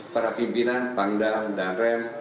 para pimpinan pangdam dan rem